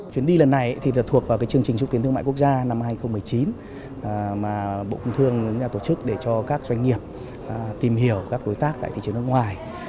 chuyến đi lần này thuộc vào chương trình xúc tiến thương mại quốc gia năm hai nghìn một mươi chín mà bộ công thương tổ chức để cho các doanh nghiệp tìm hiểu các đối tác tại thị trường nước ngoài